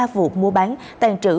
ba vụ mua bán tàn trữ